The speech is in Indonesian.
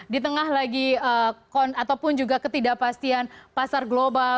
di tengah lagi ataupun juga ketidakpastian pasar global